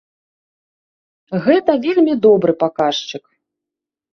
Гэта вельмі добры паказчык.